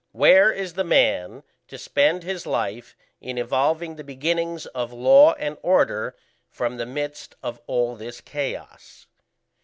Where is the man to spend his life in evolving the beginnings of law and order from the midst of all this chaos?